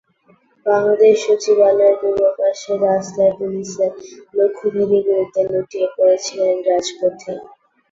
বাংলাদেশ সচিবালয়ের পূর্ব পাশের রাস্তায় পুলিশের লক্ষ্যভেদী গুলিতে লুটিয়ে পড়েছিলেন রাজপথে।